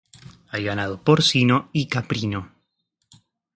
Hay ganado porcino y caprino.